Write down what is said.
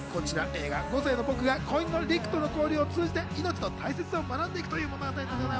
映画は５歳のぼくが子犬のリクとの交流を通じて命の大切さを学んでいくという物語。